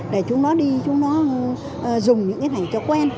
để chúng nó đi chúng nó dùng những cái thành cho quen